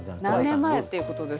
何年前っていうことですか？